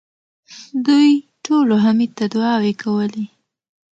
دوی ټولو حميد ته دعاوې کولې.